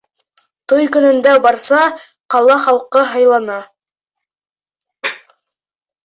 Туй көнөндә барса ҡала халҡы һыйлана.